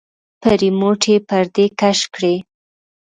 په رېموټ يې پردې کش کړې.